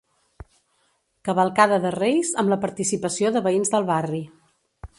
Cavalcada de reis amb la participació de veïns del barri.